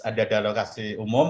ada dana alokasi umum